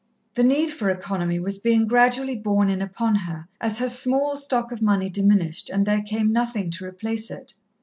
The need for economy was being gradually borne in upon her, as her small stock of money diminished and there came nothing to replace it.